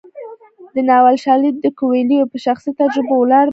د ناول شالید د کویلیو په شخصي تجربو ولاړ دی.